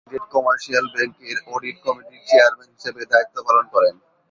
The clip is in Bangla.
ইউনাইটেড কমার্শিয়াল ব্যাংকের অডিট কমিটির চেয়ারম্যান হিসাবে দায়িত্ব পালন করেন।